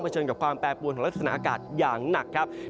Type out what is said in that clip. เชิญกับความแปรปวนของลักษณะอากาศอย่างหนักครับ